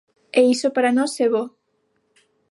E iso para nós é bo.